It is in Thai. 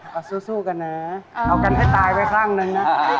กับช่วยกันดูตายไปครั้งหนึ่ง